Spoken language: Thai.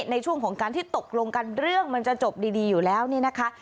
ในช่วงของการที่ตกลงกันเรื่องมันจะจบดีอยู่แล้วนี่นะคะ